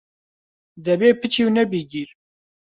دەبێ پچی و نەبی گیر